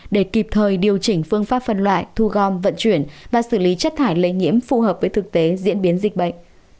để kịp thời điều chỉnh phương pháp phân loại thu gom vận chuyển và xử lý chất thải lây nhiễm phù hợp với thực tế diễn biến dịch bệnh